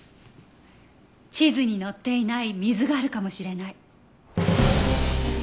地図に載っていない水があるかもしれない。